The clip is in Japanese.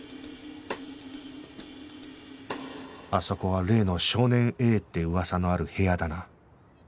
あそこは例の少年 Ａ って噂のある部屋だな